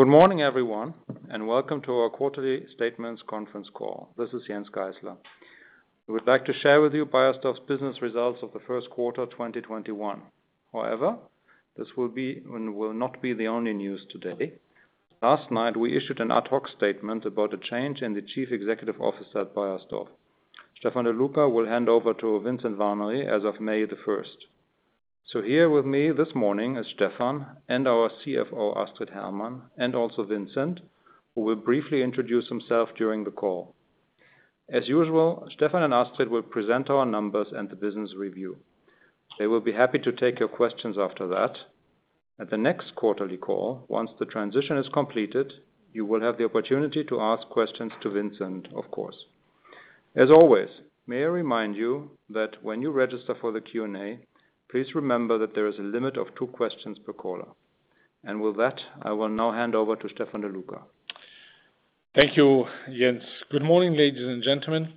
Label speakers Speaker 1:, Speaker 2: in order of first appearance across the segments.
Speaker 1: Good morning, everyone, and welcome to our quarterly statements conference call. This is Jens Geißler. We would like to share with you Beiersdorf's business results of the first quarter 2021. This will not be the only news today. Last night, we issued an ad hoc statement about a change in the Chief Executive Officer at Beiersdorf. Stefan De Loecker will hand over to Vincent Warnery as of May 1st. Here with me this morning is Stefan and our CFO, Astrid Hermann, and also Vincent, who will briefly introduce himself during the call. As usual, Stefan and Astrid will present our numbers and the business review. They will be happy to take your questions after that. At the next quarterly call, once the transition is completed, you will have the opportunity to ask questions to Vincent, of course. As always, may I remind you that when you register for the Q&A, please remember that there is a limit of two questions per caller. With that, I will now hand over to Stefan De Loecker.
Speaker 2: Thank you, Jens. Good morning, ladies and gentlemen.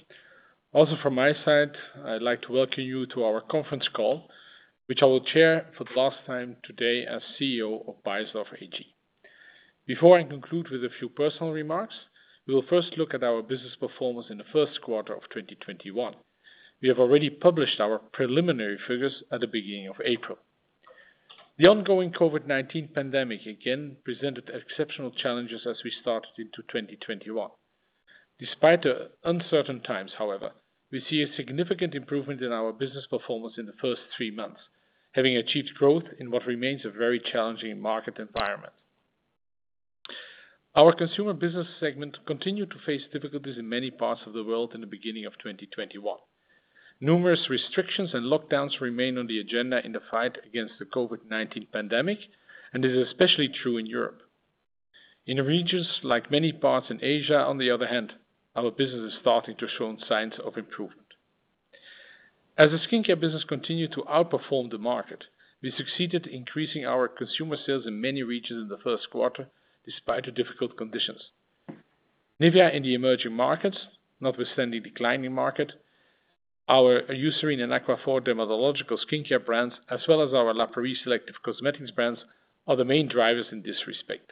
Speaker 2: Also from my side, I'd like to welcome you to our conference call, which I will chair for the last time today as CEO of Beiersdorf AG. Before I conclude with a few personal remarks, we will first look at our business performance in the first quarter of 2021. We have already published our preliminary figures at the beginning of April. The ongoing COVID-19 pandemic again presented exceptional challenges as we started into 2021. Despite the uncertain times, however, we see a significant improvement in our business performance in the first three months, having achieved growth in what remains a very challenging market environment. Our consumer business segment continued to face difficulties in many parts of the world in the beginning of 2021. Numerous restrictions and lockdowns remain on the agenda in the fight against the COVID-19 pandemic, and it is especially true in Europe. In regions like many parts in Asia, on the other hand, our business is starting to show signs of improvement. As the skincare business continued to outperform the market, we succeeded in increasing our consumer sales in many regions in the first quarter, despite the difficult conditions. NIVEA in the emerging markets, notwithstanding declining market, our Eucerin and Aquaphor dermatological skincare brands, as well as our La Prairie selective cosmetics brands, are the main drivers in this respect.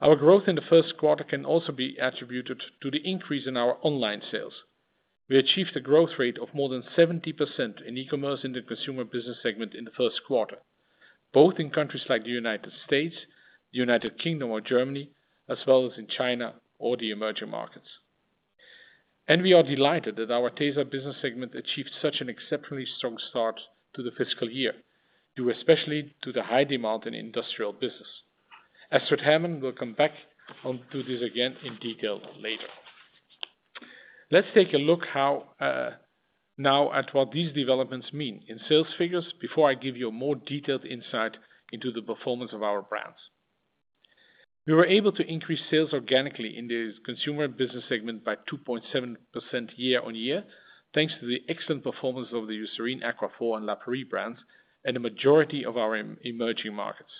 Speaker 2: Our growth in the first quarter can also be attributed to the increase in our online sales. We achieved a growth rate of more than 70% in e-commerce in the consumer business segment in the first quarter, both in countries like the United States, the United Kingdom or Germany, as well as in China or the emerging markets. We are delighted that our tesa business segment achieved such an exceptionally strong start to the fiscal year, due especially to the high demand in industrial business. Astrid Hermann will come back onto this again in detail later. Let's take a look now at what these developments mean in sales figures before I give you a more detailed insight into the performance of our brands. We were able to increase sales organically in the consumer business segment by 2.7% year-on-year, thanks to the excellent performance of the Eucerin, Aquaphor, and La Prairie brands and a majority of our emerging markets.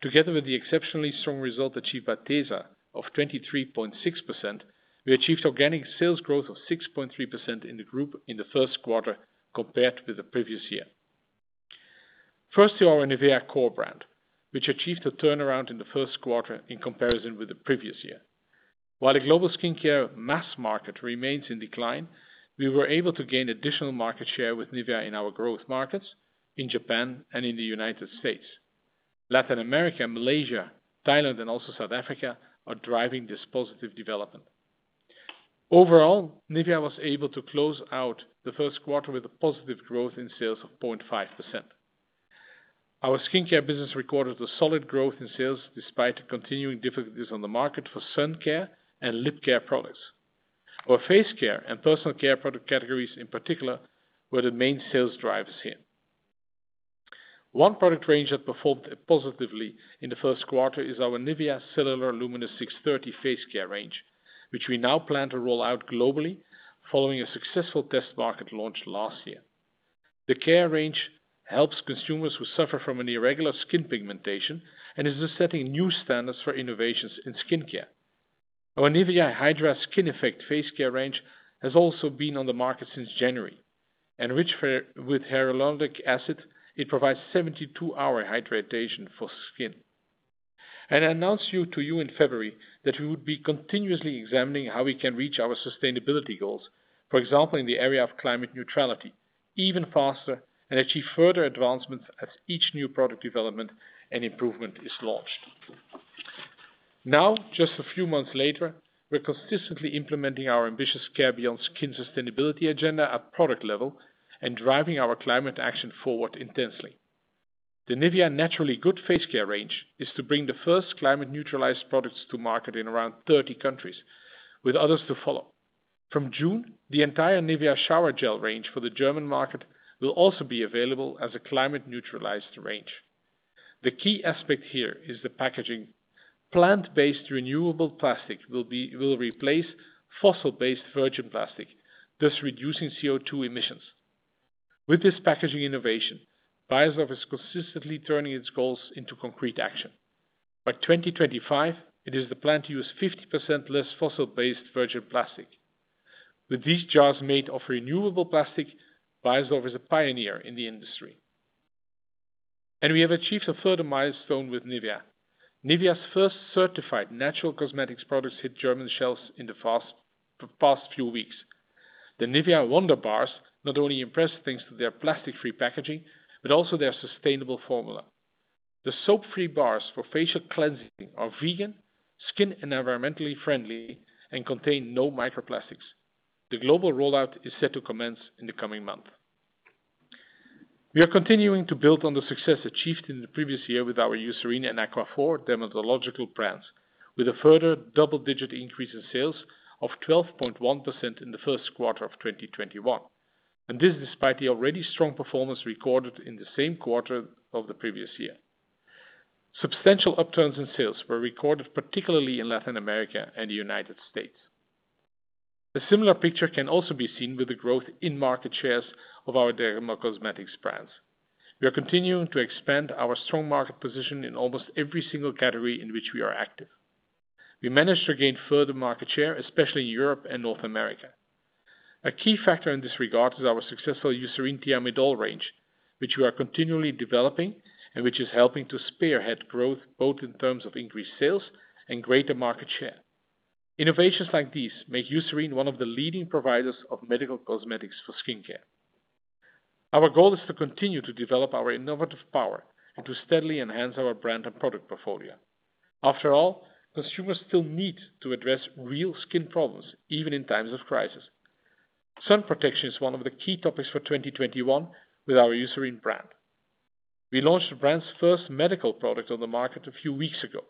Speaker 2: Together with the exceptionally strong result achieved by tesa of 23.6%, we achieved organic sales growth of 6.3% in the group in the first quarter compared with the previous year. First to our NIVEA core brand, which achieved a turnaround in the first quarter in comparison with the previous year. While the global skincare mass market remains in decline, we were able to gain additional market share with NIVEA in our growth markets in Japan and in the United States. Latin America, Malaysia, Thailand, and also South Africa are driving this positive development. Overall, NIVEA was able to close out the first quarter with a positive growth in sales of 0.5%. Our skincare business recorded a solid growth in sales despite the continuing difficulties on the market for sun care and lip care products. Our face care and personal care product categories, in particular, were the main sales drivers here. One product range that performed positively in the first quarter is our NIVEA CELLULAR LUMINOUS630 face care range, which we now plan to roll out globally following a successful test market launch last year. The care range helps consumers who suffer from an irregular skin pigmentation and is thus setting new standards for innovations in skincare. Our NIVEA Hydra Skin Effect face care range has also been on the market since January. Enriched with hyaluronic acid, it provides 72-hour hydration for skin. I announced to you in February that we would be continuously examining how we can reach our sustainability goals, for example, in the area of climate neutrality, even faster and achieve further advancements as each new product development and improvement is launched. Now, just a few months later, we're consistently implementing our ambitious CARE BEYOND SKIN sustainability agenda at product level and driving our climate action forward intensely. The NIVEA Naturally Good face care range is to bring the first climate-neutralized products to market in around 30 countries, with others to follow. From June, the entire NIVEA shower gel range for the German market will also be available as a climate-neutralized range. The key aspect here is the packaging. Plant-based renewable plastic will replace fossil-based virgin plastic, thus reducing CO2 emissions. With this packaging innovation, Beiersdorf is consistently turning its goals into concrete action. By 2025, it is the plan to use 50% less fossil-based virgin plastic. With these jars made of renewable plastic, Beiersdorf is a pioneer in the industry. We have achieved a further milestone with NIVEA. NIVEA's first certified natural cosmetics products hit German shelves in the past few weeks. The NIVEA WonderBARs not only impress thanks to their plastic-free packaging, but also their sustainable formula. The soap-free bars for facial cleansing are vegan, skin and environmentally friendly, and contain no microplastics. The global rollout is set to commence in the coming month. We are continuing to build on the success achieved in the previous year with our Eucerin and Aquaphor dermatological brands, with a further double-digit increase in sales of 12.1% in the first quarter of 2021. This despite the already strong performance recorded in the same quarter of the previous year. Substantial upturns in sales were recorded, particularly in Latin America and the United States. A similar picture can also be seen with the growth in market shares of our dermacosmetics brands. We are continuing to expand our strong market position in almost every single category in which we are active. We managed to gain further market share, especially in Europe and North America. A key factor in this regard is our successful Eucerin Thimaidol range, which we are continually developing and which is helping to spearhead growth both in terms of increased sales and greater market share. Innovations like these make Eucerin one of the leading providers of medical cosmetics for skincare. Our goal is to continue to develop our innovative power and to steadily enhance our brand and product portfolio. After all, consumers still need to address real skin problems, even in times of crisis. Sun protection is one of the key topics for 2021 with our Eucerin brand. We launched the brand's first medical product on the market a few weeks ago.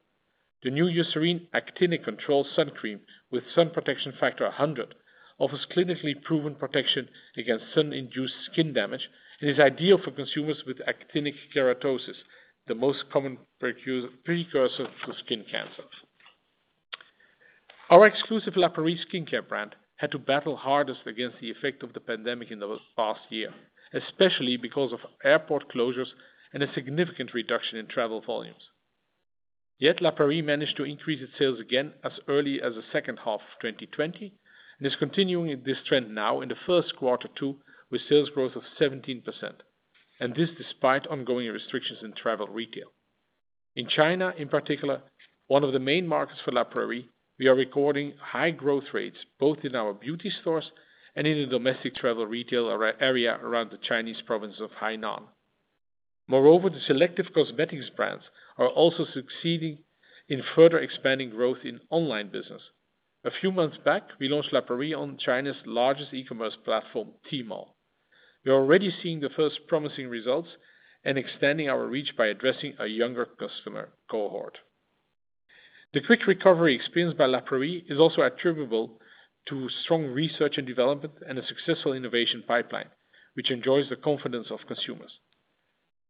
Speaker 2: The new Eucerin Actinic Control Sun Cream with sun protection factor 100, offers clinically proven protection against sun-induced skin damage and is ideal for consumers with actinic keratosis, the most common precursor to skin cancer. Our exclusive La Prairie skincare brand had to battle hardest against the effect of the pandemic in the past year, especially because of airport closures and a significant reduction in travel volumes. Yet La Prairie managed to increase its sales again as early as the second half of 2020 and is continuing this trend now in the first quarter too, with sales growth of 17%. This despite ongoing restrictions in travel retail. In China, in particular, one of the main markets for La Prairie, we are recording high growth rates both in our beauty stores and in the domestic travel retail area around the Chinese province of Hainan. Moreover, the selective cosmetics brands are also succeeding in further expanding growth in online business. A few months back, we launched La Prairie on China's largest e-commerce platform, Tmall. We are already seeing the first promising results and extending our reach by addressing a younger customer cohort. The quick recovery experienced by La Prairie is also attributable to strong research and development and a successful innovation pipeline, which enjoys the confidence of consumers.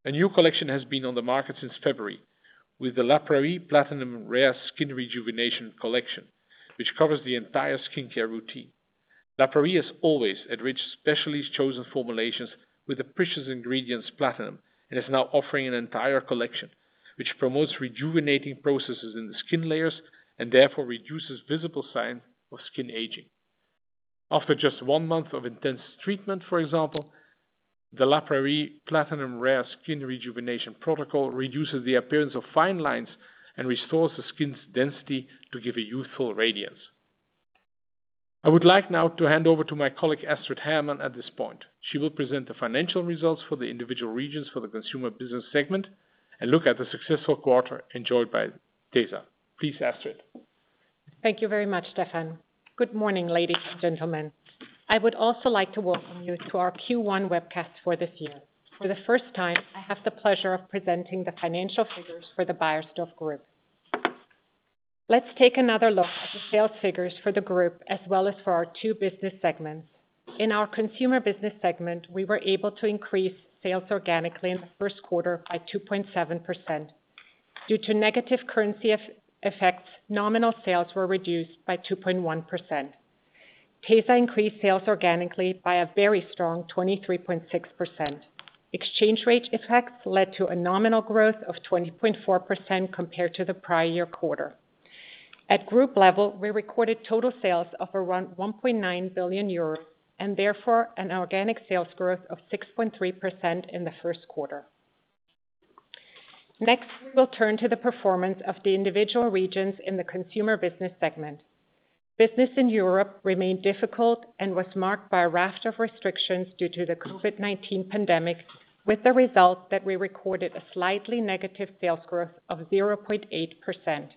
Speaker 2: A new collection has been on the market since February with the La Prairie Platinum Rare Haute-Rejuvenation Collection, which covers the entire skincare routine. La Prairie has always enriched specially chosen formulations with the precious ingredient platinum and is now offering an entire collection which promotes rejuvenating processes in the skin layers and therefore reduces visible signs of skin aging. After just one month of intense treatment, for example, the La Prairie Platinum Rare Haute-Rejuvenation Protocol reduces the appearance of fine lines and restores the skin's density to give a youthful radiance. I would like now to hand over to my colleague, Astrid Hermann, at this point. She will present the financial results for the individual regions for the consumer business segment and look at the successful quarter enjoyed by tesa. Please, Astrid.
Speaker 3: Thank you very much, Stefan. Good morning, ladies and gentlemen. I would also like to welcome you to our Q1 webcast for this year. For the first time, I have the pleasure of presenting the financial figures for the Beiersdorf Group. Let's take another look at the sales figures for the group as well as for our two business segments. In our consumer business segment, we were able to increase sales organically in the first quarter by 2.7%. Due to negative currency effects, nominal sales were reduced by 2.1%. tesa increased sales organically by a very strong 23.6%. Exchange rate effects led to a nominal growth of 20.4% compared to the prior year quarter. At group level, we recorded total sales of around 1.9 billion euros and therefore an organic sales growth of 6.3% in the first quarter. Next, we will turn to the performance of the individual regions in the consumer business segment. Business in Europe remained difficult and was marked by a raft of restrictions due to the COVID-19 pandemic, with the result that we recorded a slightly negative sales growth of 0.8%.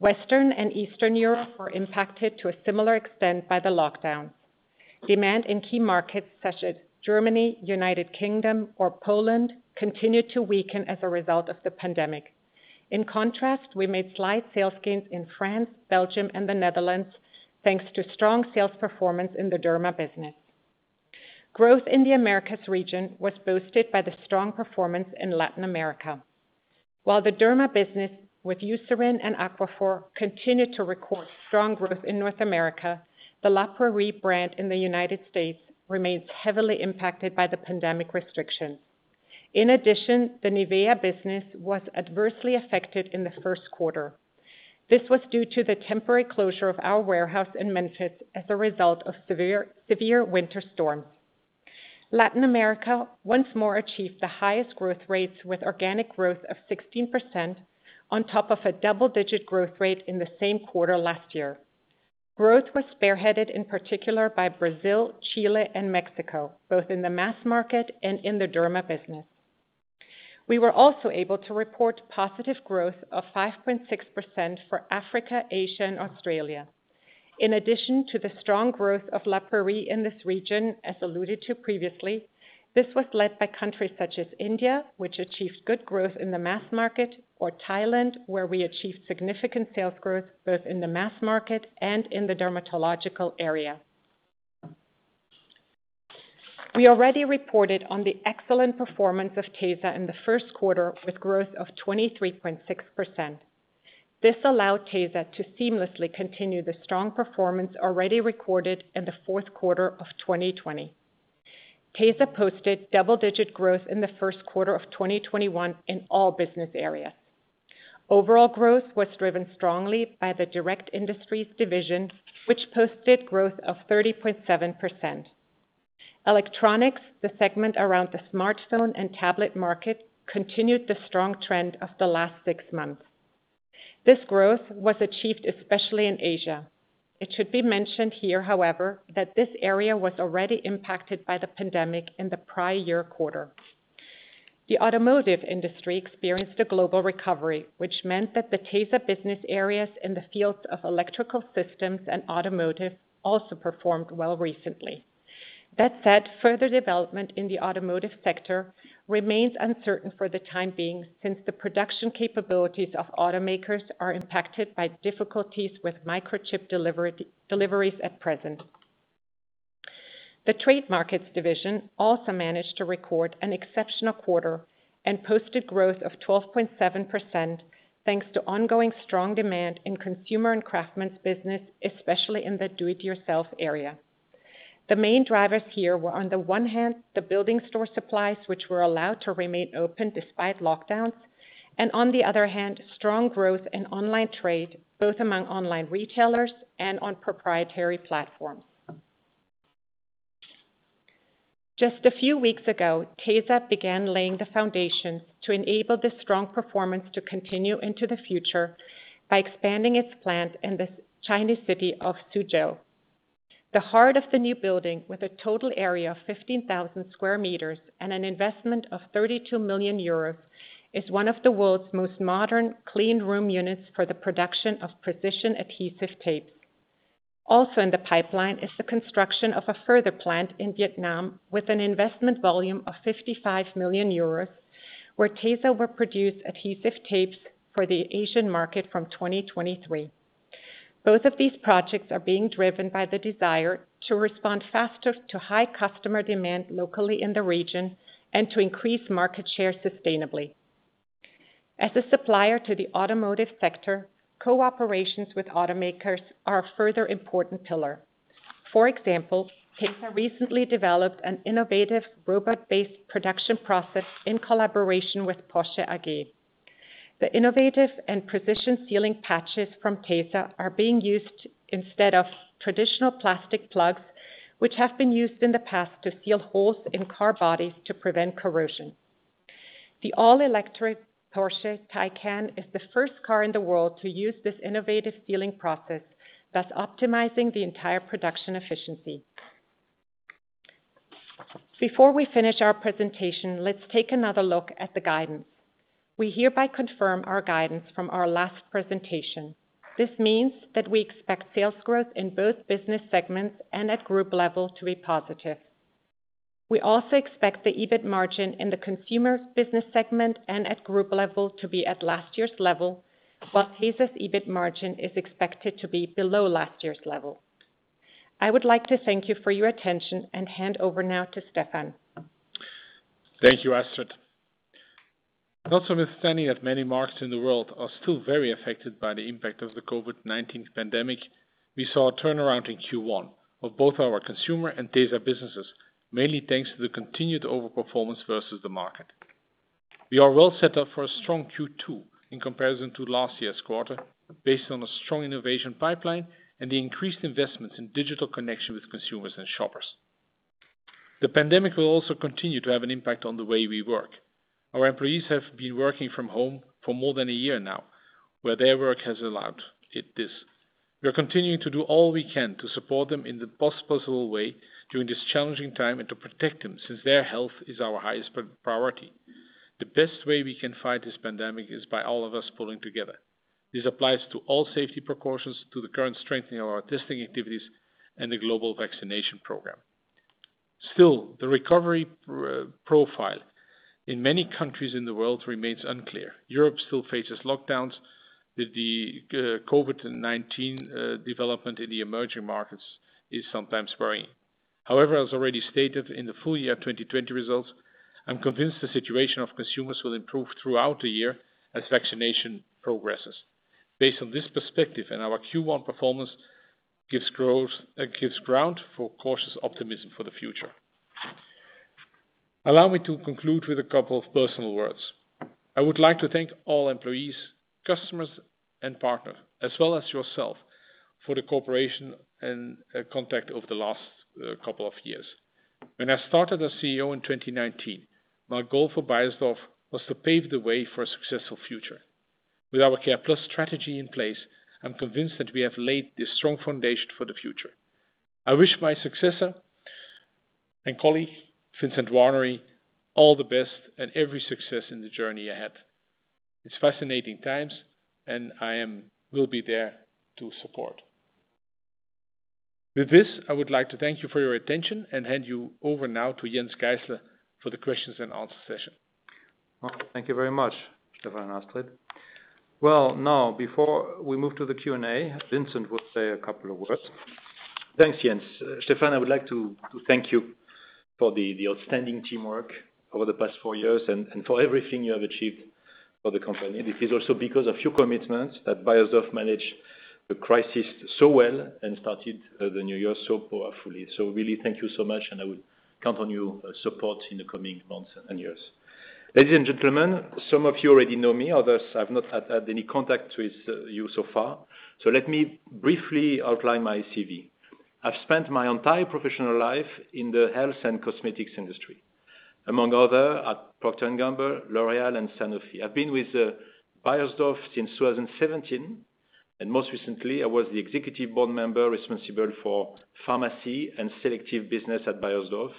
Speaker 3: Western and Eastern Europe were impacted to a similar extent by the lockdowns. Demand in key markets such as Germany, United Kingdom, or Poland continued to weaken as a result of the pandemic. In contrast, we made slight sales gains in France, Belgium, and the Netherlands, thanks to strong sales performance in the derma business. Growth in the Americas region was boosted by the strong performance in Latin America. While the derma business with Eucerin and Aquaphor continued to record strong growth in North America, the La Prairie brand in the United States remains heavily impacted by the pandemic restrictions. In addition, the NIVEA business was adversely affected in the first quarter. This was due to the temporary closure of our warehouse in Memphis as a result of severe winter storm. Latin America, once more, achieved the highest growth rates with organic growth of 16% on top of a double-digit growth rate in the same quarter last year. Growth was spearheaded in particular by Brazil, Chile, and Mexico, both in the mass market and in the derma business. We were also able to report positive growth of 5.6% for Africa, Asia, and Australia. In addition to the strong growth of La Prairie in this region, as alluded to previously, this was led by countries such as India, which achieved good growth in the mass market, or Thailand, where we achieved significant sales growth both in the mass market and in the dermatological area. We already reported on the excellent performance of tesa in the first quarter with growth of 23.6%. This allowed tesa to seamlessly continue the strong performance already recorded in the fourth quarter of 2020. tesa posted double-digit growth in the first quarter of 2021 in all business areas. Overall growth was driven strongly by the direct industries division, which posted growth of 30.7%. Electronics, the segment around the smartphone and tablet market, continued the strong trend of the last six months. This growth was achieved especially in Asia. It should be mentioned here, however, that this area was already impacted by the pandemic in the prior year quarter. The automotive industry experienced a global recovery, which meant that the tesa business areas in the fields of electrical systems and automotive also performed well recently. That said, further development in the automotive sector remains uncertain for the time being, since the production capabilities of automakers are impacted by difficulties with microchip deliveries at present. The trade markets division also managed to record an exceptional quarter and posted growth of 12.7%, thanks to ongoing strong demand in consumer and craftsmen's business, especially in the do-it-yourself area. The main drivers here were, on the one hand, the building store supplies, which were allowed to remain open despite lockdowns, and on the other hand, strong growth in online trade, both among online retailers and on proprietary platforms. Just a few weeks ago, tesa began laying the foundations to enable the strong performance to continue into the future by expanding its plant in the Chinese city of Suzhou. The heart of the new building, with a total area of 15,000 sq m and an investment of 32 million euros, is one of the world's most modern clean room units for the production of precision adhesive tapes. Also in the pipeline is the construction of a further plant in Vietnam with an investment volume of 55 million euros, where tesa will produce adhesive tapes for the Asian market from 2023. Both of these projects are being driven by the desire to respond faster to high customer demand locally in the region and to increase market share sustainably. As a supplier to the automotive sector, cooperations with automakers are a further important pillar. For example, tesa recently developed an innovative robot-based production process in collaboration with Porsche AG. The innovative and precision-sealing patches from tesa are being used instead of traditional plastic plugs, which have been used in the past to seal holes in car bodies to prevent corrosion. The all-electric Porsche Taycan is the first car in the world to use this innovative sealing process, thus optimizing the entire production efficiency. Before we finish our presentation, let's take another look at the guidance. We hereby confirm our guidance from our last presentation. This means that we expect sales growth in both business segments and at group level to be positive. We also expect the EBIT margin in the consumer business segment and at group level to be at last year's level, while tesa's EBIT margin is expected to be below last year's level. I would like to thank you for your attention and hand over now to Stefan.
Speaker 2: Thank you, Astrid. Notwithstanding that many markets in the world are still very affected by the impact of the COVID-19 pandemic, we saw a turnaround in Q1 of both our consumer and tesa businesses, mainly thanks to the continued over-performance versus the market. We are well set up for a strong Q2 in comparison to last year's quarter, based on a strong innovation pipeline and the increased investments in digital connection with consumers and shoppers. The pandemic will also continue to have an impact on the way we work. Our employees have been working from home for more than one year now, where their work has allowed this. We are continuing to do all we can to support them in the best possible way during this challenging time and to protect them, since their health is our highest priority. The best way we can fight this pandemic is by all of us pulling together. This applies to all safety precautions, to the current strengthening of our testing activities, and the global vaccination program. Still, the recovery profile in many countries in the world remains unclear. Europe still faces lockdowns. The COVID-19 development in the emerging markets is sometimes worrying. However, as already stated in the full year 2020 results, I'm convinced the situation of consumers will improve throughout the year as vaccination progresses. Based on this perspective and our Q1 performance gives ground for cautious optimism for the future. Allow me to conclude with a couple of personal words. I would like to thank all employees, customers, and partners, as well as yourself, for the cooperation and contact over the last couple of years. When I started as CEO in 2019, my goal for Beiersdorf was to pave the way for a successful future. With our C.A.R.E.+ strategy in place, I'm convinced that we have laid a strong foundation for the future. I wish my successor and colleague, Vincent Warnery, all the best and every success in the journey ahead. It's fascinating times, and I will be there to support. With this, I would like to thank you for your attention and hand you over now to Jens Geißler for the questions and answer session.
Speaker 1: Thank you very much, Stefan and Astrid. Well, now, before we move to the Q&A, Vincent will say a couple of words.
Speaker 4: Thanks, Jens. Stefan, I would like to thank you for the outstanding teamwork over the past four years and for everything you have achieved for the company. It is also because of your commitments that Beiersdorf managed the crisis so well and started the new year so powerfully. Really, thank you so much, and I would count on your support in the coming months and years. Ladies and gentlemen, some of you already know me. Others, I've not had any contact with you so far. Let me briefly outline my CV. I've spent my entire professional life in the health and cosmetics industry. Among other, at Procter & Gamble, L'Oréal, and Sanofi. I've been with Beiersdorf since 2017, and most recently, I was the Executive Board Member responsible for pharmacy and selective business at Beiersdorf,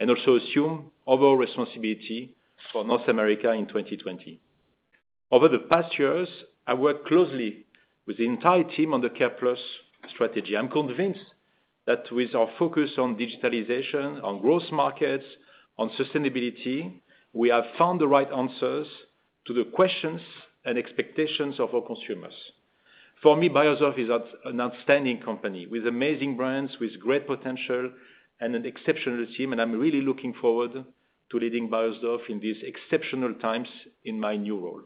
Speaker 4: and also assumed overall responsibility for North America in 2020. Over the past years, I worked closely with the entire team on the C.A.R.E.+ strategy. I'm convinced that with our focus on digitalization, on growth markets, on sustainability, we have found the right answers to the questions and expectations of our consumers. For me, Beiersdorf is an outstanding company with amazing brands, with great potential, and an exceptional team, and I'm really looking forward to leading Beiersdorf in these exceptional times in my new role.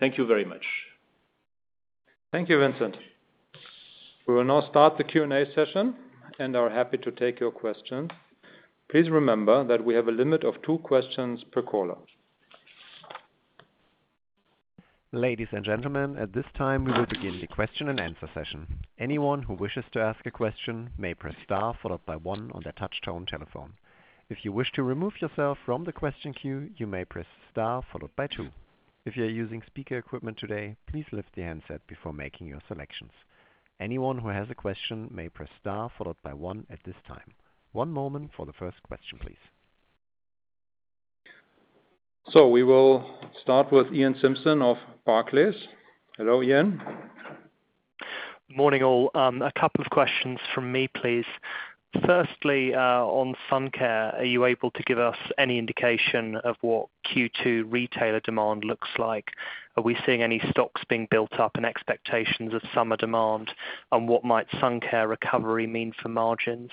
Speaker 4: Thank you very much.
Speaker 1: Thank you, Vincent. We will now start the Q&A session and are happy to take your questions. Please remember that we have a limit of two questions per caller.
Speaker 5: Ladies and gentlemen, at this time, we will begin the question and answer session. Anyone who wishes to ask a question may press star followed by one on their touch-tone telephone. If you wish to remove yourself from the question queue, you may press star followed by two. If you're using speaker equipment today, please lift the handset before making your selections. Anyone who has a question may press star followed by one at this time. One moment for the first question, please.
Speaker 1: We will start with Iain Simpson of Barclays. Hello, Iain.
Speaker 6: Morning, all. A couple of questions from me, please. Firstly, on sun care, are you able to give us any indication of what Q2 retailer demand looks like? Are we seeing any stocks being built up and expectations of summer demand? What might sun care recovery mean for margins?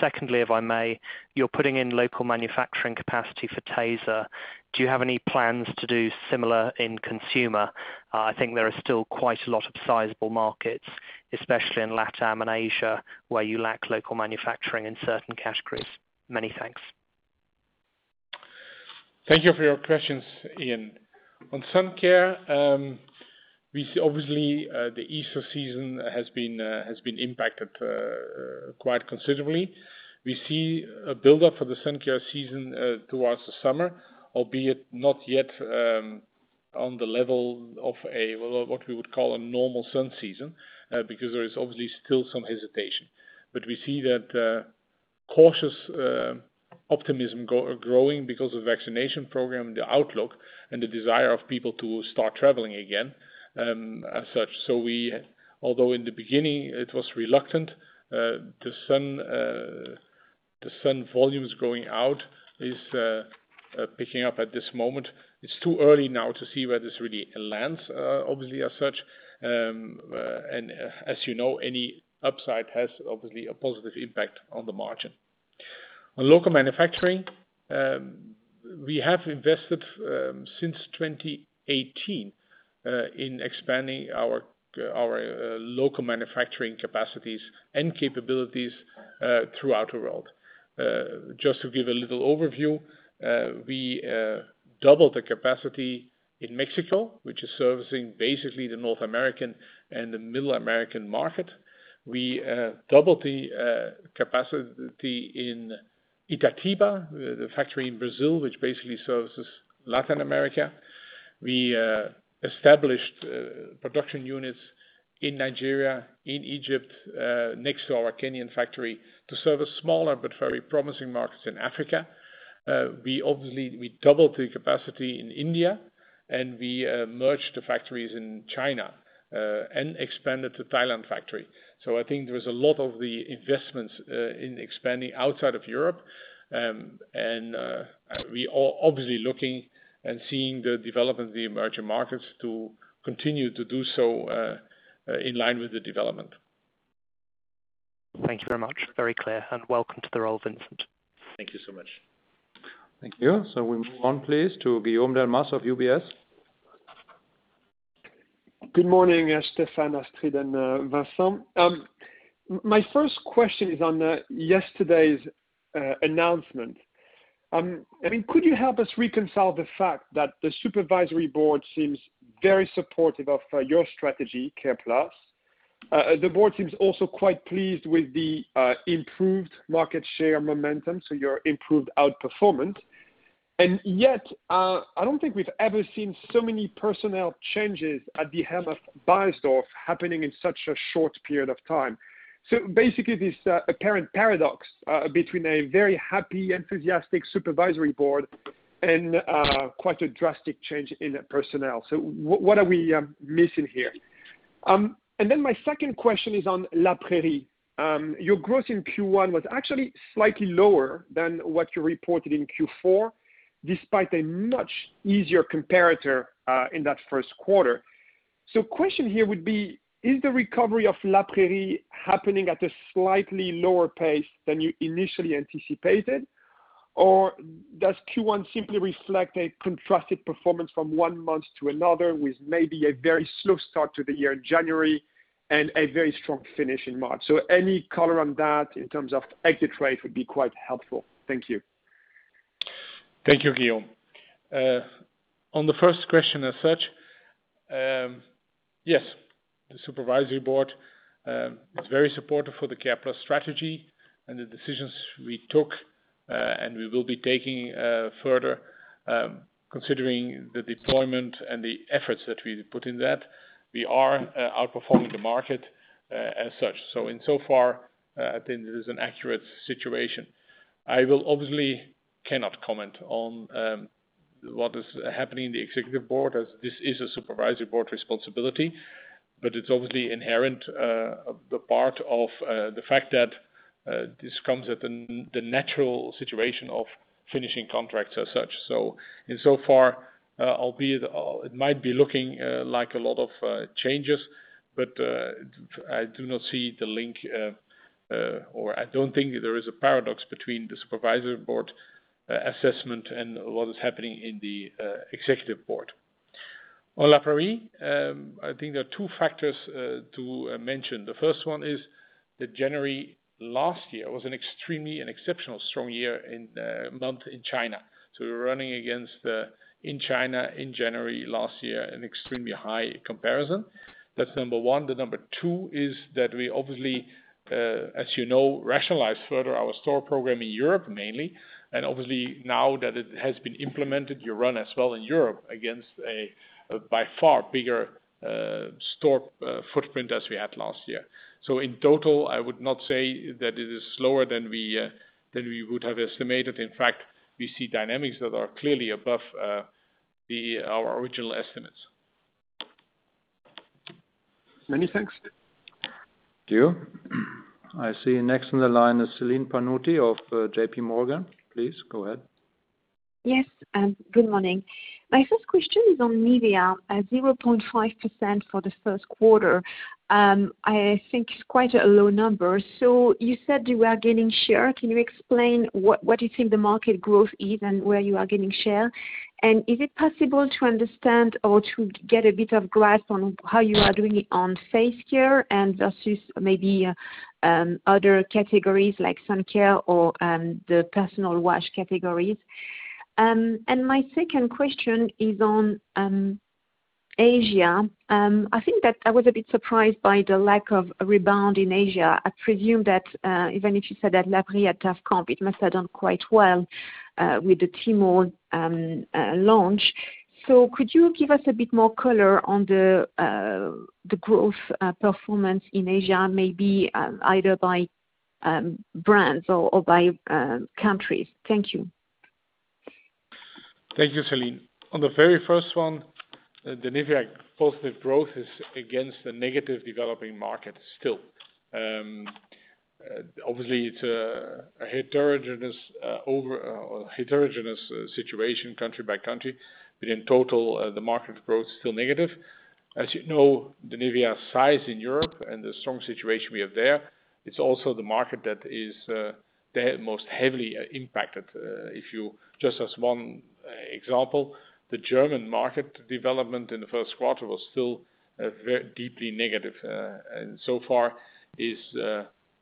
Speaker 6: Secondly, if I may, you're putting in local manufacturing capacity for tesa. Do you have any plans to do similar in consumer? I think there are still quite a lot of sizable markets, especially in LATAM and Asia, where you lack local manufacturing in certain categories. Many thanks.
Speaker 2: Thank you for your questions, Iain. Sun care, obviously, the Easter season has been impacted quite considerably. We see a buildup for the sun care season towards the summer, albeit not yet on the level of what we would call a normal sun season, because there is obviously still some hesitation. We see that cautious optimism growing because of vaccination program, the outlook, and the desire of people to start traveling again as such. Although in the beginning it was reluctant, the sun volumes going out is picking up at this moment. It's too early now to see where this really lands, obviously, as such. As you know, any upside has, obviously, a positive impact on the margin. Local manufacturing, we have invested since 2018 in expanding our local manufacturing capacities and capabilities throughout the world. Just to give a little overview, we doubled the capacity in Mexico, which is servicing basically the North American and the Middle American market. We doubled the capacity in Itatiba, the factory in Brazil, which basically services Latin America. We established production units in Nigeria, in Egypt, next to our Kenyan factory to service smaller but very promising markets in Africa. We obviously doubled the capacity in India, and we merged the factories in China, and expanded the Thailand factory. I think there is a lot of the investments in expanding outside of Europe. We are obviously looking and seeing the development of the emerging markets to continue to do so in line with the development.
Speaker 6: Thank you very much. Very clear. Welcome to the role, Vincent.
Speaker 4: Thank you so much.
Speaker 1: Thank you. We move on, please, to Guillaume Delmas of UBS.
Speaker 7: Good morning, Stefan, Astrid, and Vincent. My first question is on yesterday's announcement. Could you help us reconcile the fact that the supervisory board seems very supportive of your strategy, C.A.R.E.+. The board seems also quite pleased with the improved market share momentum, so your improved outperformance. I don't think we've ever seen so many personnel changes at the helm of Beiersdorf happening in such a short period of time. This apparent paradox between a very happy, enthusiastic supervisory board and quite a drastic change in personnel. What are we missing here? My second question is on La Prairie. Your growth in Q1 was actually slightly lower than what you reported in Q4, despite a much easier comparator in that first quarter. Question here would be, is the recovery of La Prairie happening at a slightly lower pace than you initially anticipated? Does Q1 simply reflect a contrasted performance from one month to another, with maybe a very slow start to the year in January and a very strong finish in March? Any color on that in terms of exit rate would be quite helpful. Thank you.
Speaker 2: Thank you, Guil. On the first question as such, yes, the supervisory board is very supportive for the C.A.R.E.+ strategy and the decisions we took, and we will be taking further, considering the deployment and the efforts that we put in that. We are outperforming the market as such. Insofar, I think this is an accurate situation. I obviously cannot comment on what is happening in the executive board, as this is a supervisory board responsibility, it's obviously inherent, the part of the fact that this comes at the natural situation of finishing contracts as such. Insofar, albeit it might be looking like a lot of changes, I do not see the link, or I don't think there is a paradox between the supervisory board assessment and what is happening in the executive board. On La Prairie, I think there are two factors to mention. The first one is that January last year was an extremely and exceptional strong month in China. We're running against, in China in January last year, an extremely high comparison. That's number one. The number two is that we obviously, as you know, rationalize further our store program in Europe mainly, and obviously now that it has been implemented, you run as well in Europe against a by far bigger store footprint as we had last year. In total, I would not say that it is slower than we would have estimated. In fact, we see dynamics that are clearly above our original estimates.
Speaker 7: Many thanks.
Speaker 2: Thank you. I see next on the line is Celine Pannuti of JPMorgan. Please go ahead.
Speaker 8: Yes. Good morning. My first question is on NIVEA at 0.5% for the first quarter. I think it's quite a low number. You said you are gaining share. Can you explain what you think the market growth is and where you are gaining share? Is it possible to understand or to get a bit of grasp on how you are doing it on face care and versus maybe other categories like sun care or the personal wash categories? My second question is on Asia. I think that I was a bit surprised by the lack of rebound in Asia. I presume that even if you said that La Prairie had tough comp, it must have done quite well with the Tmall launch. Could you give us a bit more color on the growth performance in Asia, maybe either by brands or by countries? Thank you.
Speaker 2: Thank you, Celine. On the very first one, the NIVEA positive growth is against the negative developing market still. Obviously, it's a heterogeneous situation country by country, but in total, the market growth is still negative. As you know, the NIVEA size in Europe and the strong situation we have there, it's also the market that is the most heavily impacted. Just as one example, the German market development in the first quarter was still deeply negative, and so far is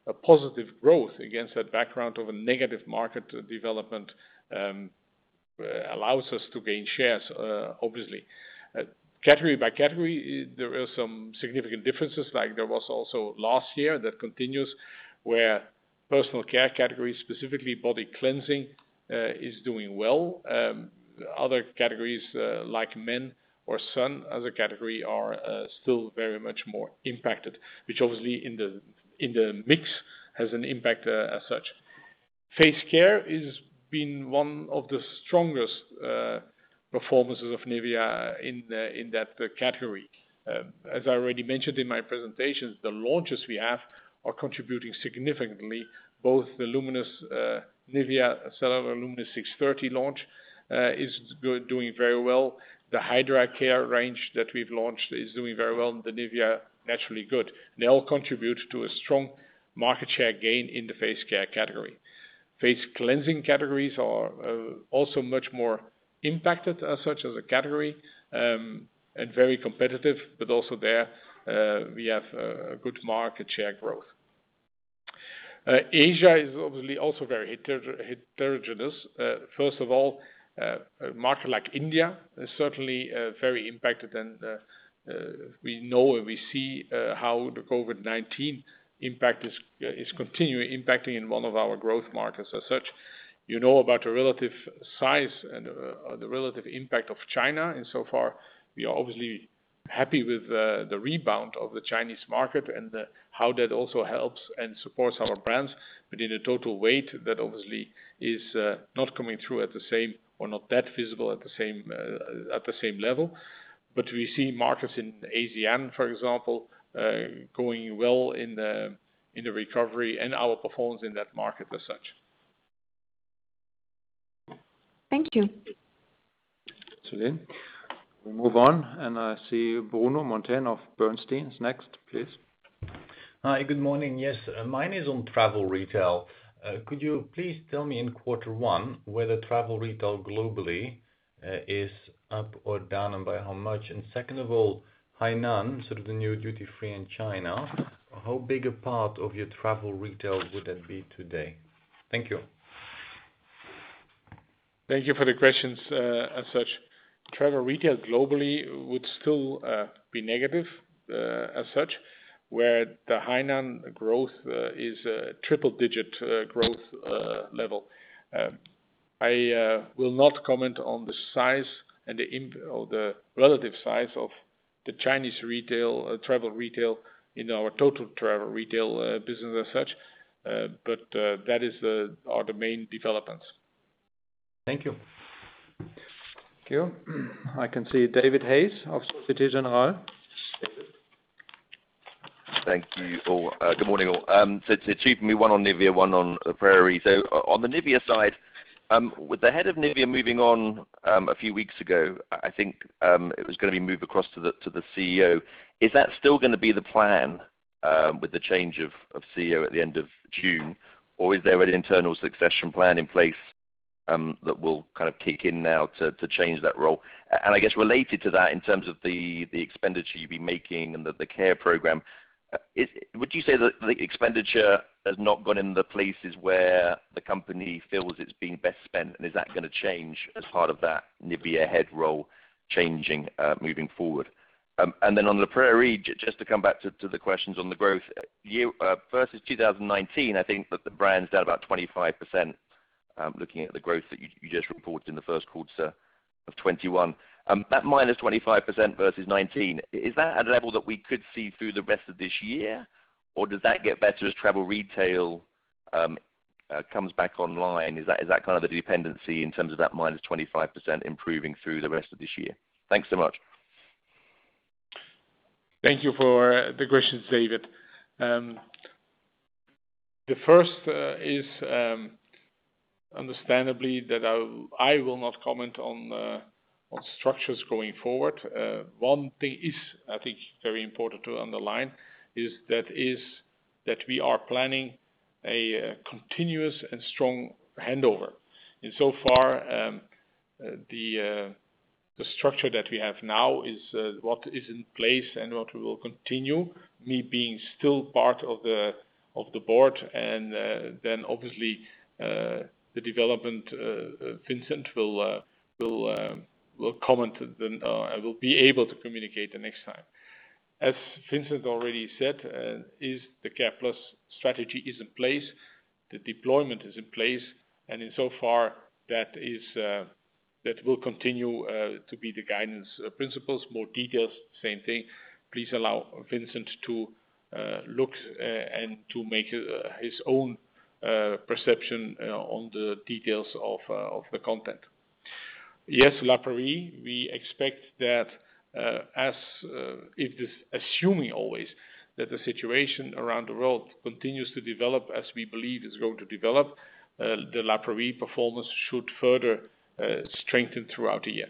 Speaker 2: a positive growth against that background of a negative market development allows us to gain shares, obviously. Category by category, there are some significant differences. There was also last year that continues, where personal care categories, specifically body cleansing, is doing well. Other categories like men or sun as a category are still very much more impacted, which obviously in the mix has an impact as such. Face care has been one of the strongest performances of NIVEA in that category. As I already mentioned in my presentations, the launches we have are contributing significantly, both the NIVEA CELLULAR LUMINOUS630 launch is doing very well, the NIVEA Hydra Skin Effect range that we've launched is doing very well, and the NIVEA Naturally Good. They all contribute to a strong market share gain in the face care category. Face cleansing categories are also much more impacted as such as a category, and very competitive. Also there, we have a good market share growth. Asia is obviously also very heterogeneous. First of all, a market like India is certainly very impacted, and we know and we see how the COVID-19 impact is continuing impacting in one of our growth markets as such. You know about the relative size and the relative impact of China, and so far we are obviously happy with the rebound of the Chinese market and how that also helps and supports our brands. In the total weight, that obviously is not coming through at the same, or not that visible at the same level. We see markets in Asia, for example, going well in the recovery and our performance in that market as such.
Speaker 8: Thank you.
Speaker 1: Thanks, Celine. We move on, and I see Bruno Monteyne of Bernstein is next. Please.
Speaker 9: Hi, good morning. Yes, mine is on travel retail. Could you please tell me in quarter one, whether travel retail globally is up or down, and by how much? Second of all, Hainan, sort of the new duty free in China, how big a part of your travel retail would that be today? Thank you.
Speaker 2: Thank you for the questions. As such, travel retail globally would still be negative, as such, where the Hainan growth is a triple digit growth level. I will not comment on the size or the relative size of the Chinese retail, travel retail in our total travel retail business as such. That is our main developments.
Speaker 9: Thank you.
Speaker 2: Thank you. I can see David Hayes of Société Générale. David.
Speaker 10: Thank you all. Good morning all. Two for me, one on NIVEA, one on La Prairie. On the NIVEA side, with the head of NIVEA moving on a few weeks ago, I think, it was going to be moved across to the CEO. Is that still going to be the plan, with the change of CEO at the end of June, or is there an internal succession plan in place, that will kind of kick in now to change that role? I guess related to that, in terms of the expenditure you've been making and the C.A.R.E.+ program, would you say that the expenditure has not gone in the places where the company feels it's being best spent, and is that going to change as part of that NIVEA head role changing, moving forward? On La Prairie, just to come back to the questions on the growth. Versus 2019, I think that the brand's down about 25%, looking at the growth that you just reported in Q1 2021. That -25% versus 2019, is that a level that we could see through the rest of this year, or does that get better as travel retail comes back online? Is that kind of the dependency in terms of that -25% improving through the rest of this year? Thanks so much.
Speaker 2: Thank you for the questions, David. The first is understandably that I will not comment on structures going forward. One thing is, I think very important to underline is that we are planning a continuous and strong handover. In so far the structure that we have now is what is in place and what we will continue, me being still part of the board and then obviously, the development, Vincent will comment and will be able to communicate the next time. As Vincent already said, the C.A.R.E.+ strategy is in place, the deployment is in place, and in so far that will continue to be the guidance principles. More details, same thing, please allow Vincent to look and to make his own perception on the details of the content. La Prairie, we expect that, assuming always that the situation around the world continues to develop as we believe is going to develop, the La Prairie performance should further strengthen throughout the year.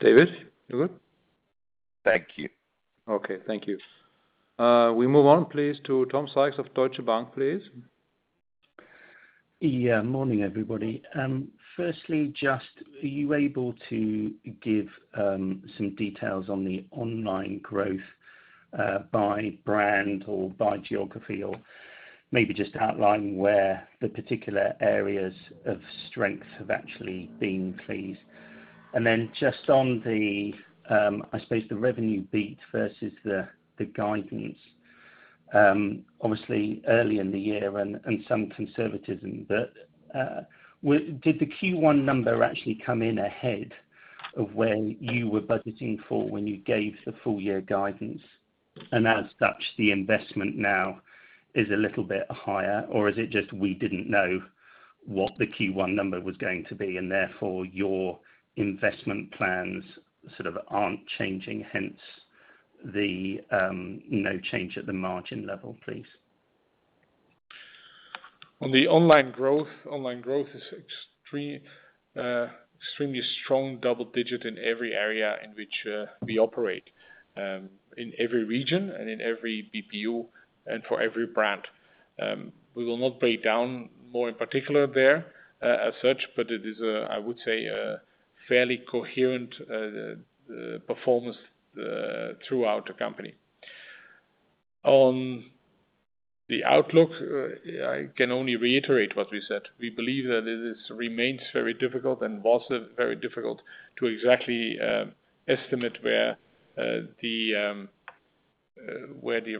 Speaker 2: David, you good?
Speaker 10: Thank you.
Speaker 1: Okay. Thank you. We move on, please, to Tom Sykes of Deutsche Bank, please.
Speaker 11: Yeah. Morning, everybody. Firstly, just, are you able to give some details on the online growth, by brand or by geography, or maybe just outline where the particular areas of strength have actually been, please? Then just on the, I suppose the revenue beat versus the guidance. Obviously early in the year and some conservatism. Did the Q1 number actually come in ahead of where you were budgeting for when you gave the full year guidance? As such, the investment now is a little bit higher? Is it just we didn't know what the Q1 number was going to be, therefore, your investment plans sort of aren't changing, hence the no change at the margin level, please?
Speaker 2: On the online growth, online growth is extremely strong, double digit in every area in which we operate, in every region and in every BPU and for every brand. We will not break down more in particular there as such, but it is, I would say, fairly coherent performance throughout the company. On the outlook, I can only reiterate what we said. We believe that it remains very difficult and was very difficult to exactly estimate where the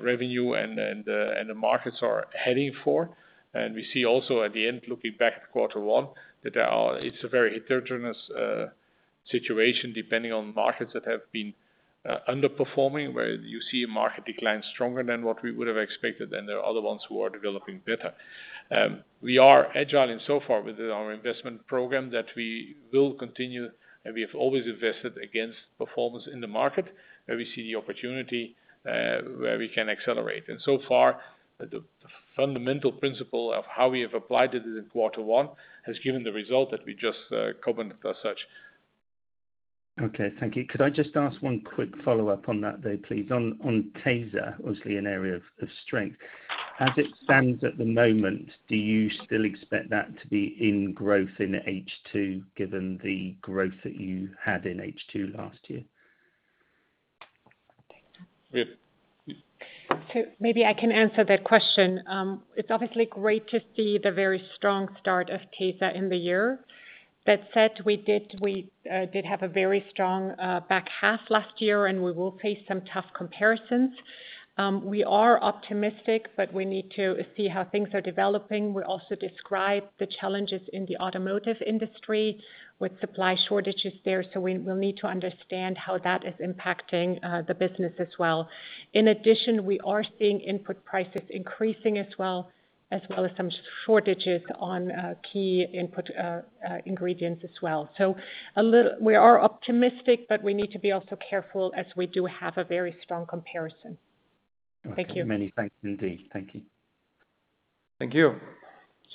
Speaker 2: revenue and the markets are heading for. We see also at the end, looking back at quarter one, that it's a very heterogeneous situation depending on markets that have been underperforming, where you see a market decline stronger than what we would have expected, and there are other ones who are developing better. We are agile in so far within our investment program that we will continue, and we have always invested against performance in the market, where we see the opportunity, where we can accelerate. So far, the fundamental principle of how we have applied it in quarter one has given the result that we just conveyed as such.
Speaker 11: Okay, thank you. Could I just ask one quick follow-up on that, though, please? On tesa, obviously an area of strength. As it stands at the moment, do you still expect that to be in growth in H2 given the growth that you had in H2 last year?
Speaker 2: Yeah.
Speaker 3: Maybe I can answer that question. It's obviously great to see the very strong start of tesa in the year. That said, we did have a very strong back half last year, and we will face some tough comparisons. We are optimistic, but we need to see how things are developing. We also describe the challenges in the automotive industry with supply shortages there, so we will need to understand how that is impacting the business as well. In addition, we are seeing input prices increasing as well, as well as some shortages on key input ingredients as well. We are optimistic, but we need to be also careful as we do have a very strong comparison. Thank you.
Speaker 11: Many thanks indeed. Thank you.
Speaker 2: Thank you.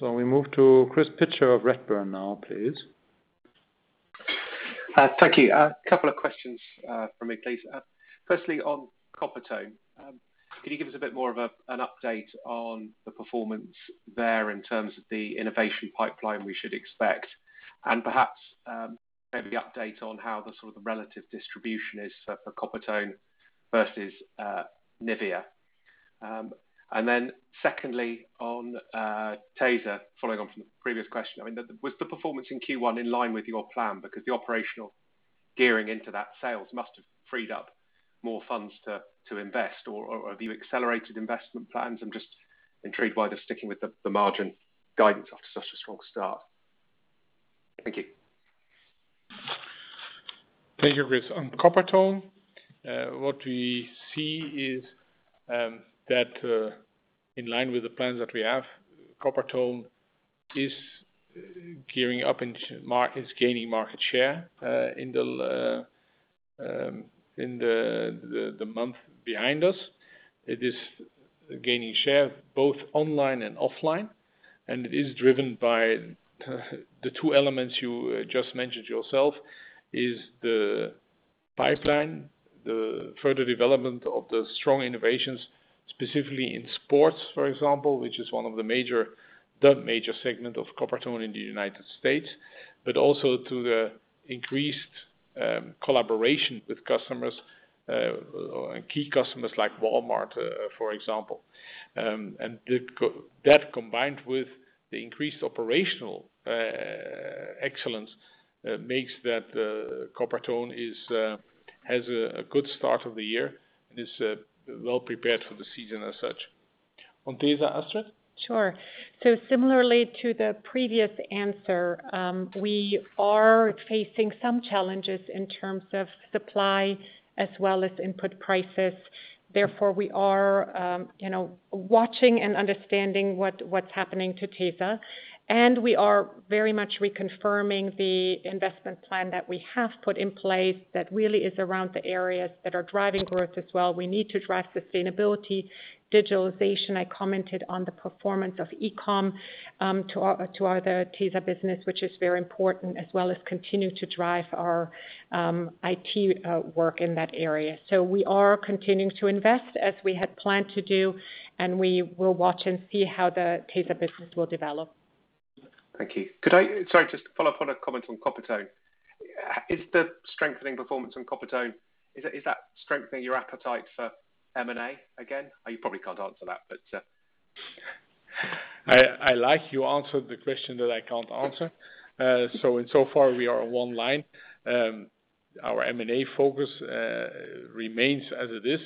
Speaker 2: We move to Chris Pitcher of Redburn now, please.
Speaker 12: Thank you. A couple of questions from me, please. Firstly, on Coppertone, can you give us a bit more of an update on the performance there in terms of the innovation pipeline we should expect? Perhaps maybe update on how the sort of the relative distribution is for Coppertone versus NIVEA. Secondly, on tesa, following on from the previous question, was the performance in Q1 in line with your plan? Because the operational gearing into that sales must have freed up more funds to invest. Have you accelerated investment plans? I'm just intrigued why they're sticking with the margin guidance after such a strong start. Thank you.
Speaker 2: Thank you, Chris. On Coppertone, what we see is that in line with the plans that we have, Coppertone is gearing up and gaining market share in the month behind us. It is gaining share both online and offline, and it is driven by the two elements you just mentioned yourself, is the pipeline, the further development of the strong innovations, specifically in sports, for example, which is one of the major segment of Coppertone in the United States, but also to the increased collaboration with customers and key customers like Walmart, for example. That combined with the increased operational excellence, makes that Coppertone has a good start of the year and is well prepared for the season as such. On tesa, Astrid?
Speaker 3: Sure. Similarly to the previous answer, we are facing some challenges in terms of supply as well as input prices. Therefore, we are watching and understanding what's happening to tesa. We are very much reconfirming the investment plan that we have put in place that really is around the areas that are driving growth as well. We need to drive sustainability, digitalization. I commented on the performance of e-com to the tesa business, which is very important, as well as continue to drive our IT work in that area. We are continuing to invest as we had planned to do, and we will watch and see how the tesa business will develop.
Speaker 12: Thank you. Sorry, just to follow up on a comment on Coppertone. Is the strengthening performance on Coppertone, is that strengthening your appetite for M&A again? You probably can't answer that, but
Speaker 2: I like you answered the question that I can't answer. Insofar, we are on one line. Our M&A focus remains as it is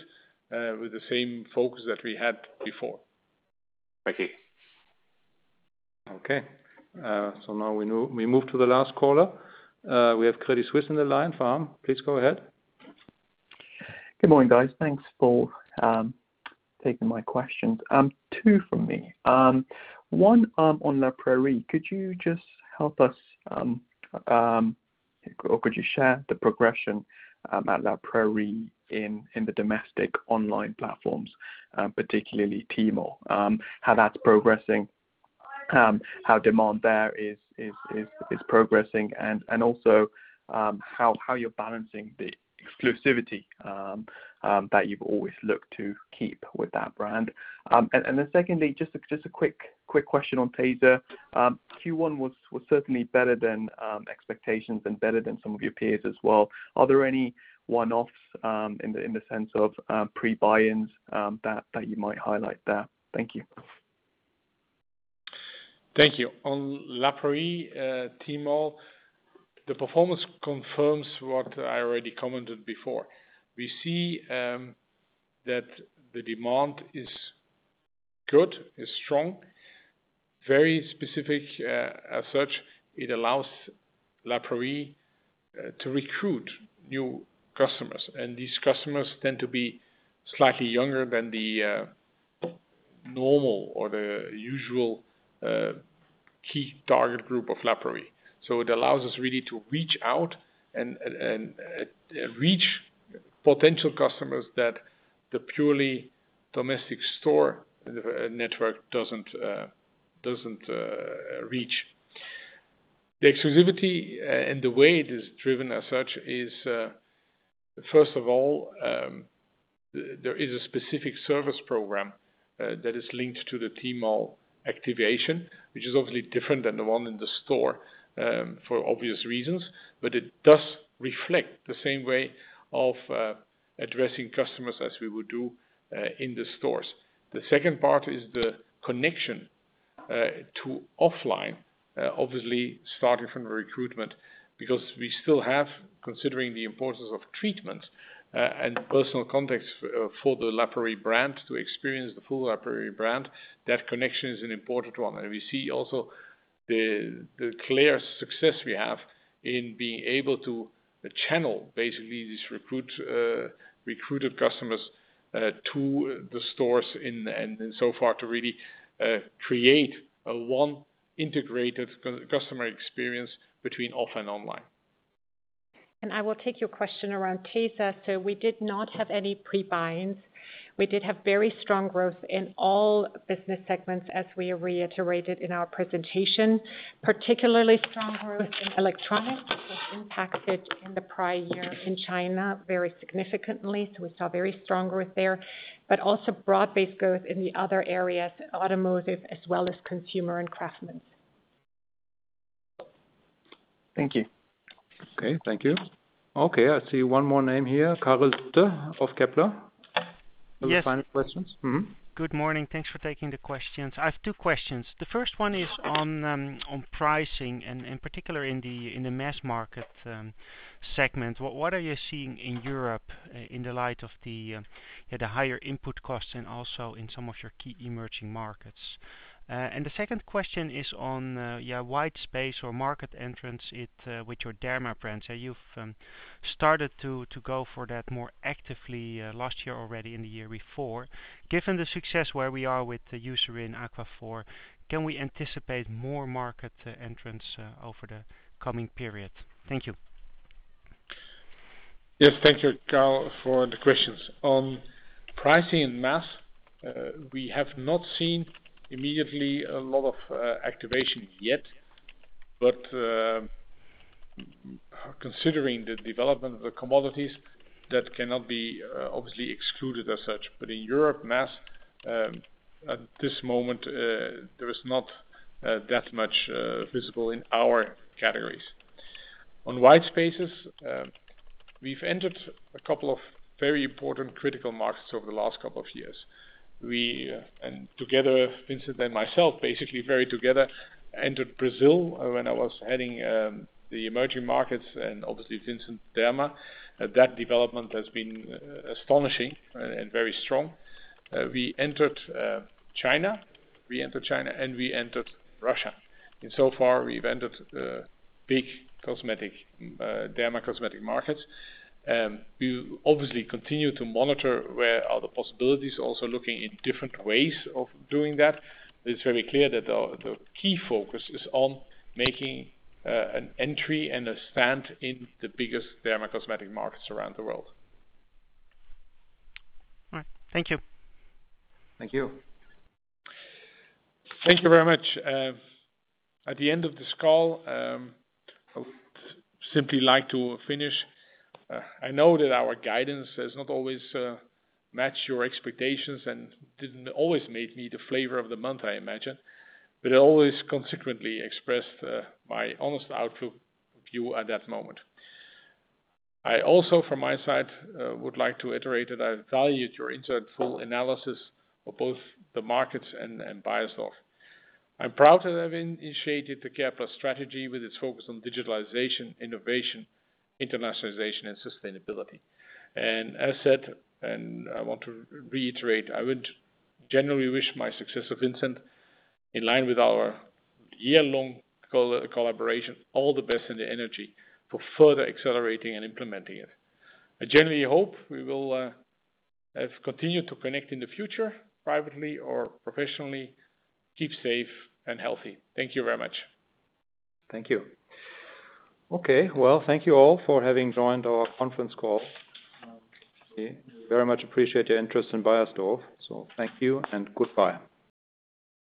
Speaker 2: with the same focus that we had before.
Speaker 12: Thank you.
Speaker 2: Okay. Now we move to the last caller. We have Credit Suisse on the line, Pham. Please go ahead.
Speaker 13: Good morning, guys. Thanks for taking my questions. Two from me. One on La Prairie. Could you just help us, or could you share the progression at La Prairie in the domestic online platforms, particularly Tmall, how that's progressing, how demand there is progressing, and also how you're balancing the exclusivity that you've always looked to keep with that brand? Secondly, just a quick question on Beiersdorf. Q1 was certainly better than expectations and better than some of your peers as well. Are there any one-offs in the sense of pre-buy-ins that you might highlight there? Thank you.
Speaker 2: Thank you. On La Prairie Tmall, the performance confirms what I already commented before. We see that the demand is good, is strong, very specific as such, it allows La Prairie to recruit new customers, and these customers tend to be slightly younger than the normal or the usual key target group of La Prairie. It allows us really to reach out and reach potential customers that the purely domestic store network doesn't reach. The exclusivity and the way it is driven as such is, first of all, there is a specific service program that is linked to the Tmall activation, which is obviously different than the one in the store for obvious reasons. It does reflect the same way of addressing customers as we would do in the stores. The second part is the connection to offline, obviously starting from recruitment because we still have, considering the importance of treatment and personal context for the La Prairie brand to experience the full La Prairie brand, that connection is an important one. We see also the clear success we have in being able to channel basically these recruited customers to the stores and so far to really create one integrated customer experience between off and online.
Speaker 3: I will take your question around tesa. We did not have any pre-buy-ins. We did have very strong growth in all business segments as we reiterated in our presentation, particularly strong growth in electronics, which was impacted in the prior year in China very significantly. We saw very strong growth there, but also broad-based growth in the other areas, automotive as well as consumer and craftsmen.
Speaker 13: Thank you.
Speaker 2: Okay. Thank you. Okay, I see one more name here, Carl of Kepler. Any final questions?
Speaker 14: Good morning. Thanks for taking the questions. I have two questions. The first one is on pricing and in particular in the mass market segment. What are you seeing in Europe in the light of the higher input costs and also in some of your key emerging markets? The second question is on your white space or market entrance with your derma brand. You've started to go for that more actively last year already in the year before. Given the success where we are with Eucerin Aquaphor, can we anticipate more market entrance over the coming period? Thank you.
Speaker 2: Yes, thank you, Carl, for the questions. On pricing and mass, we have not seen immediately a lot of activation yet, considering the development of the commodities, that cannot be obviously excluded as such. In Europe mass, at this moment, there is not that much visible in our categories. On white spaces, we've entered a couple of very important critical markets over the last couple of years. We, and together, Vincent and myself, basically very together, entered Brazil when I was heading the emerging markets and obviously, Vincent, derma. That development has been astonishing and very strong. We entered China, and we entered Russia. Insofar, we've entered big dermo-cosmetic markets. We obviously continue to monitor where are the possibilities, also looking in different ways of doing that. It's very clear that the key focus is on making an entry and a stand in the biggest dermo-cosmetic markets around the world.
Speaker 14: All right. Thank you.
Speaker 3: Thank you.
Speaker 2: Thank you very much. At the end of this call, I would simply like to finish. I know that our guidance has not always matched your expectations and didn't always make me the flavor of the month, I imagine, but it always consequently expressed my honest outlook view at that moment. I also, from my side, would like to iterate that I valued your insightful analysis of both the markets and Beiersdorf. I'm proud to have initiated the C.A.R.E.+ strategy with its focus on digitalization, innovation, internationalization, and sustainability. As I said, and I want to reiterate, I would genuinely wish my successor, Vincent, in line with our year-long collaboration, all the best and the energy for further accelerating and implementing it. I genuinely hope we will continue to connect in the future, privately or professionally. Keep safe and healthy. Thank you very much.
Speaker 1: Thank you. Okay, well, thank you all for having joined our conference call. We very much appreciate your interest in Beiersdorf. Thank you and goodbye.